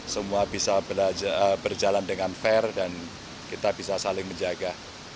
semua bisa berjalan dengan fair dan kita bisa saling menjaga